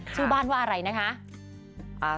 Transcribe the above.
ชื่อบ้านว่าอะไรนะคะ